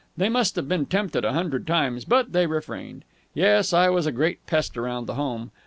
They must have been tempted a hundred times, but they refrained. Yes, I was a great pest around the home.